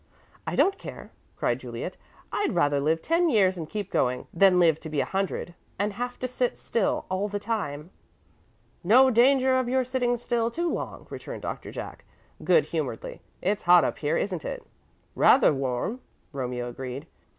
"I don't care," cried Juliet, "I'd rather live ten years and keep going, than live to be a hundred and have to sit still all the time." "No danger of your sitting still too long," returned Doctor Jack, good humouredly. "It's hot up here, isn't it?" "Rather warm," Romeo agreed.